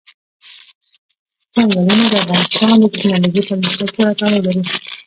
چنګلونه د افغانستان د تکنالوژۍ پرمختګ سره تړاو لري.